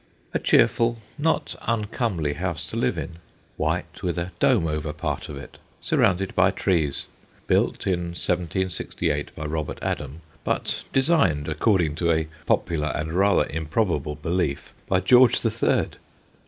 A cheerful, not uncomely house to live in; white, with a dome over part of it, surrounded by trees, built in 1768 by Robert Adam, but designed, according to a popular and rather improbable belief, by George the Third.